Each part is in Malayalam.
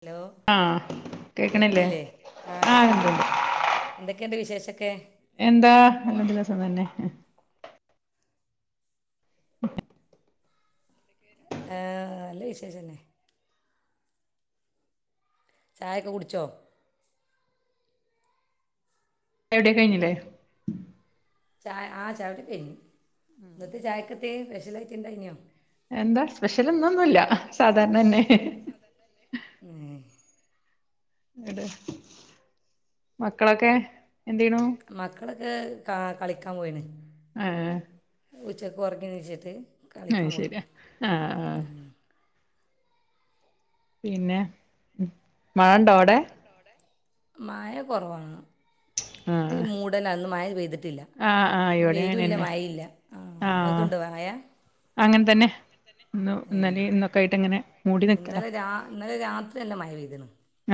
ഹലോ ആഹ് കേക്കണില്ലേ കേക്ക്ന്നില്ലേ ആഹ് കേക്ക്ണ്ട് എന്തൊക്കെയുണ്ട് വിശേഷക്കെ? എന്താ നല്ല ദിവസം തന്നെ [inaudible] ആഹ് നല്ല വിശേഷം തന്നെ ചായൊക്കെ കുടിച്ചോ? അവിടെ കഴിഞ്ഞില്ലേ? ചായ ആഹ് ചായുടിക്കെ കഴിഞ്ഞു ഇന്നത്തെ ചായക്കത്തെ സ്പെഷ്യലായിറ്റ് ഉണ്ടായിനോ? എന്താ സ്പെഷ്യൽ ന്നൊന്നുല്ല സാധാരണന്നെ അതെന്നെ ഉംഹ് മക്കളൊക്കെ എന്തെയ്യ്ണു? മക്കളൊക്കെ ക കളിക്കാൻ പോയിണ് ആഹ് ഉച്ചക്ക് ഒറങ്ങി നീച്ചിട്ട് കളിക്കാൻ അത് പോയി. ശരി ആഹ് ആഹ് പിന്നെ മഴണ്ടോ അവടെ? മഴ കൊറവാ ഇന്ന് ആഹ് ഒരു മൂടലാ ഇന്ന് മഴ പെയ്തിട്ട ട്ടില്ല ആഹ് ആഹ് ഇവിടെ അങ്ങനെ വെയിലുല്ല, തന്നെയാ മഴിയില്ല. ഇങ്ങക്കുണ്ടോ മഴ? അങ്ങൻ തന്നെ. ഇന്ന് ഏ ഇന്നലിം ഇന്നൊക്കെ ആയിട്ട് ഇങ്ങനെ മൂടി നിക്കലാ. ഇന്നലെ രാ ഇന്നലെ രാത്രി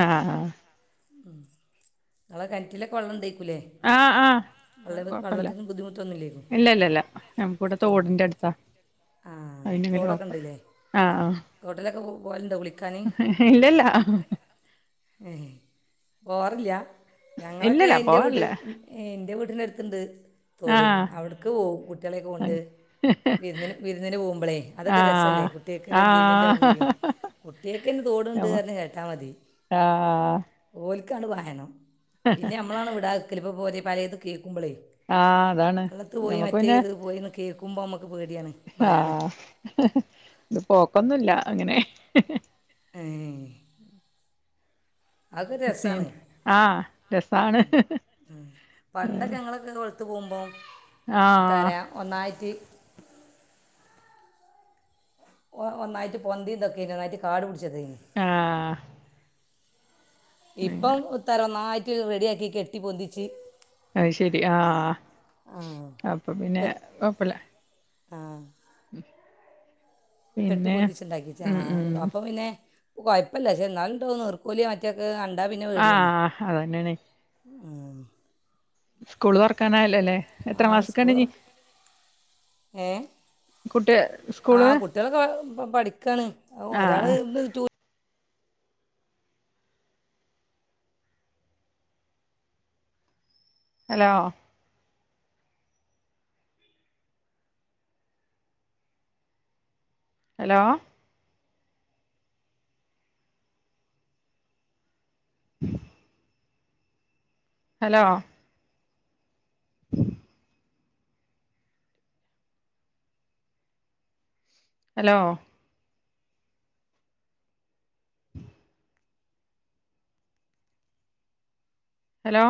ആഹ് ആഹ് ഇങ്ങളെ കെണ്റ്റിലൊക്കെ വെള്ളം ഇണ്ടേക്കുല്ലേ? ആഹ് ആഹ് കൊഴപ്പല്ല. ബുദ്ധിമുട്ടൊന്നുമില്ലേക്കും ഇല്ല ഇല്ല ഇല്ല നമ്മക്ക് ഇവടെ തോടിന്റെ അട്ത്താ. ആ അയിന് വല്ല്യ തോടൊക്കെ കൊഴപ്പ ഉണ്ടല്ലേ ആഹ് ആഹ് തോട്ടിലൊക്കെ പോവ പോവലുണ്ടോ? കുളി ഇല്ലല്ല. ഏഹേ പോവാറില്ല്യ? ഞങ്ങളൊക്കെ ഇല്ലല്ല എന്റെ വീട്ടില് പോവാറില്ല ഏഹേ എന്റെ വീട്ടിനടുത്ത്ണ്ട്. തോട് ആഹ് അവിട്ക്ക് പോവും കുട്ടിയളെക്കെ കൊണ്ട്. വിരുന്നിന് വിരുന്നിന് പോകുമ്പളേ. അതൊക്കെ ആഹ് രസല്ലേ? കുട്ടിയേക്കൊരു എൻജോയ്മെന്റ് ആകും ആഹ് ചെയ്യും. കുട്ടിയൊക്കെന്നെ തോടുണ്ട് പറഞ്ഞു കേട്ടാ മതി. ആഹാ ഓല്ക്കാണ്ട് പായണം. പിന്നെ നമ്മളാണ് വിടാതക്കല്. ഇപ്പോ പോരെ പലേതും കേൾക്കുമ്പളേ? ആഹ് അതാണ് വള്ളത്ത് പോയി, ഞമ്മക്ക് മറ്റേ പിന്നെ ഇത് പോയിന്ന് കേൾക്കുമ്പോ അമ്മക്ക് പേടിയാണ്. ഭയമാണ് ആഹ് ഇത് പോക്കൊന്നുല്ല അങ്ങനെ. ഏഹേ അതൊരു രസാണ്. പിന്നെ ആഹ് രസാണ് പണ്ടൊക്കെ ഞങ്ങളൊക്കെ. കൊള് ത്ത് പോവുമ്പോം. ആഹ് എത്തരാ ഒന്നായിറ്റ് ഓ ഒന്നായിട്ട് പൊന്തിം ഇതെക്കേന്ന്. ഒന്നായിട്ട് കാട് പുടിച്ചത് ആഹ് ഇപ്പം പിന്നെ തറ ഒന്നായിട്ട് റെഡിയാക്കി കെട്ടി പൊന്തിച്ച് അഹ്ശരി ആഹ് ആ ആഹ് അപ്പൊ പിന്നെ കൊഴപ്പല്ല ആഹ് ഉം കെട്ടി പിന്നെ പൊന്തിച്ച് ഇണ്ടാക്കിച്ച് ഉം ആഹ് അപ്പം പിന്നെ കൊഴപ്പല്ല. പക്ഷേ ഇന്നാലുണ്ടാവും നിർ കോലി [unintelligible] കണ്ടാ പിന്നെ പേടിയണേ ആഹ് അതന്നെയാണെ ആഹ് ആഹ് ഉം സ്കൂള് തൊർക്കാനായല്ലോലേ? എത്രാം ക്ലാസ്ക്കാണ് ഇഞ്? ഏഹേ കുട്ട് ആഹ് കുട്ട്യോളൊക്കെ ഇബടെ പഠിക്കാണ്. ഒരാള് ആഹ് ഇന്ന് hello hello hello [inaudible] hello hello